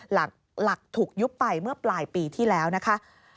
หลักถูกยุบไปเมื่อปลายปีที่แล้วนะคะ